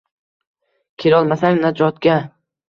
Kelolmasang najotga?!